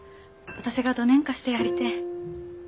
私がどねんかしてやりてえ。